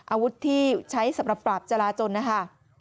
อาวุธที่ใช้สำหรับปราบจราจนนะคะ